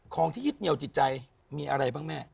ของที่ยึดเหนียวจิตใจมีอะไรบ้างแม่